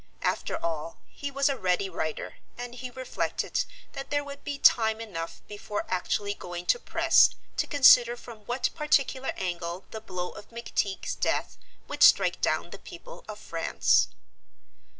After all, he was a ready writer, and he reflected that there would be time enough before actually going to press to consider from what particular angle the blow of McTeague's death would strike down the people of France.